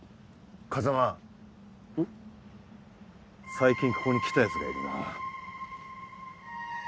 最近ここに来た奴がいるな。